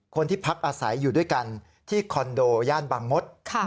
คนที่พักอาศัยอยู่ด้วยกันที่คอนโดย่านบางมศ